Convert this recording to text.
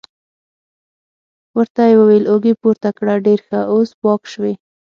ورته یې وویل: اوږې پورته کړه، ډېر ښه، اوس پاک شوې.